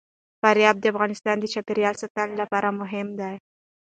فاریاب د افغانستان د چاپیریال ساتنې لپاره مهم دي.